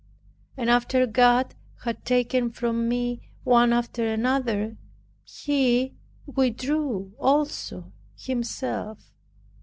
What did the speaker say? And after God had taken from me one after another, He withdrew also Himself.